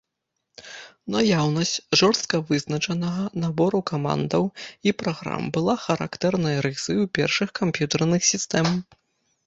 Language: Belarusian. Наяўнасць жорстка вызначанага набору камандаў і праграм была характэрнай рысаю першых камп'ютарных сістэм.